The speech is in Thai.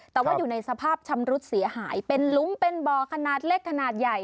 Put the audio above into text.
แต่ว่าอยู่ในสภาพชำรุดเสียหายเป็นลุมเป็นบ่อขนาดเล็กขนาดใหญ่